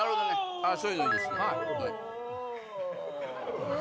そういうのいいですね。